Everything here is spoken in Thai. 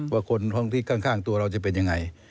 ว่าคนที่ข้างตัวเราจะเป็นอย่างไร